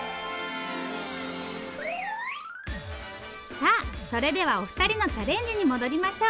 さあそれではお二人のチャレンジに戻りましょう。